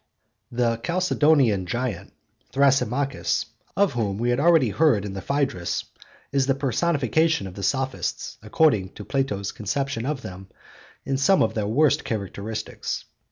The 'Chalcedonian giant,' Thrasymachus, of whom we have already heard in the Phaedrus, is the personification of the Sophists, according to Plato's conception of them, in some of their worst characteristics.